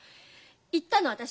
言ったの私。